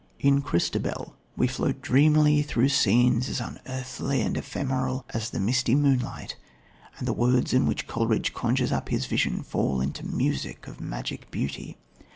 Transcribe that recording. In Christabel we float dreamily through scenes as unearthly and ephemeral as the misty moonlight, and the words in which Coleridge conjures up his vision fall into music of magic beauty.